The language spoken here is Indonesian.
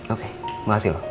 oke makasih loh